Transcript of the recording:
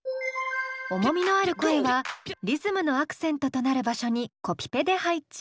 重みのある声はリズムのアクセントとなる場所にコピペで配置。